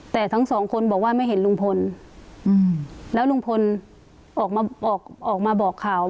แต่ทั้งสองคนบอกว่าไม่เห็นลุงพลแล้วลุงพลออกมาออกมาบอกข่าว